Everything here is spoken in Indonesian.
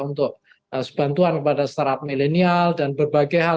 untuk bantuan kepada startup milenial dan berbagai hal